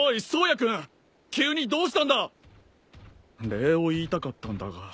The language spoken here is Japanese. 礼を言いたかったんだが。